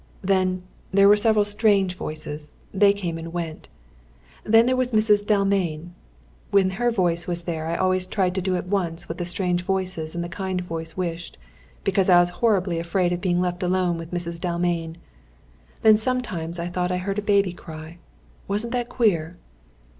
Then, there were several strange voices; they came and went. Then there was Mrs. Dalmain. When her voice was there I always tried to do at once what the strange voices and the kind voice wished; because I was horribly afraid of being left alone with Mrs. Dalmain! Then I sometimes thought I heard a baby cry. Wasn't that queer?"